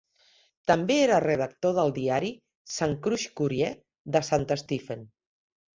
També era redactor del diari "Saint Croix Courier" de Saint Stephen.